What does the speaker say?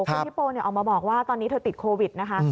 คุณฮิโปออกมาบอกว่าตอนนี้เธอติดโควิดนะคะ